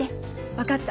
分かった。